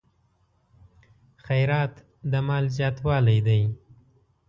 خیرات د مال زیاتوالی دی.